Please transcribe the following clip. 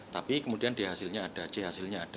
tapi kemudian dia hasilnya ada c hasilnya ada